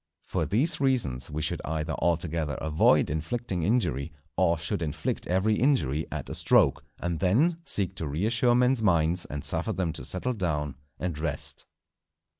For these reasons we should either altogether avoid inflicting injury, or should inflict every injury at a stroke, and then seek to reassure men's minds and suffer them to settle down and rest.